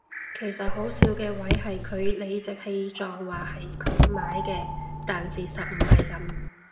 其實好笑嘅位係佢理直氣壯話係佢買嘅但事實唔係噉